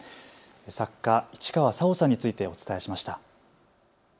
作家、市川沙央さんについてお伝えしました。